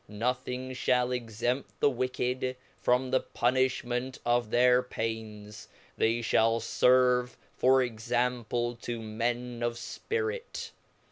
Nothing fliall exempt the wicked from the punifhment of their pains ; they ftallferve for example to men of fpirit.